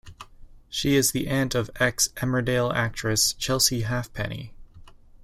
She is the aunt of ex-"Emmerdale" actress Chelsea Halfpenny.